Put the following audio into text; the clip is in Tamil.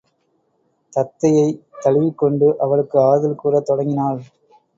தத்தையைத் தழுவிக்கொண்டு அவளுக்கு ஆறுதல் கூறத் தொடங்கினாள்.